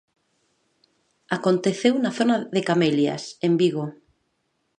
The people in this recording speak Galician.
Aconteceu na zona de Camelias, en Vigo.